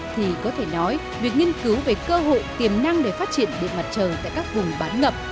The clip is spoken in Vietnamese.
thì có thể nói việc nghiên cứu về cơ hội tiềm năng để phát triển điện mặt trời tại các vùng bán ngập